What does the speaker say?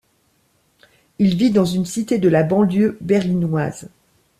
Il vit dans une cité de la banlieue berlinoise.